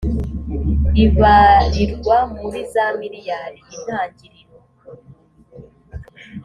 ibarirwa muri za miriyari intangiriro